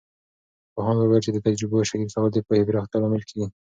پوهاند وویل چې د تجربو شریکول د پوهې پراختیا لامل کیږي.